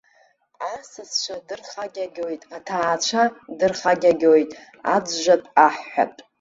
Асасцәа дырхагьагьоит, аҭаацәа дырхагьагьоит, аӡәӡәатә, аҳәҳәатә.